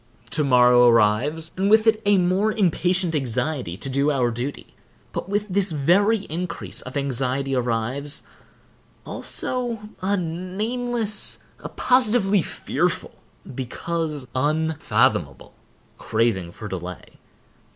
To morrow arrives, and with it a more impatient anxiety to do our duty, but with this very increase of anxiety arrives, also, a nameless, a positively fearful, because unfathomable, craving for delay.